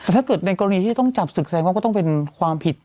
ถ้าเกิดในกรณีที่ต้องจับศึกแสดงว่าก็ต้องเป็นความผิด